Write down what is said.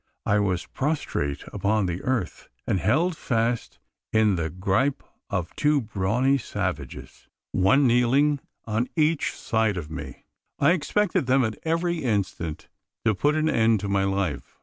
I was prostrate upon the earth, and held fast in the gripe of two brawny savages one kneeling on each side of me. I expected them at every instant to put an end to my life.